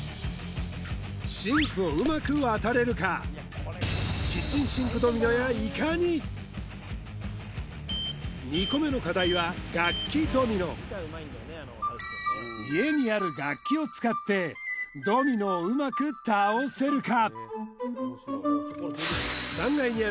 シンクをうまく渡れるか２個目の課題は楽器ドミノ家にある楽器を使ってドミノをうまく倒せるか？